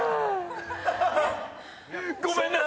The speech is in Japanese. ごめんなさい。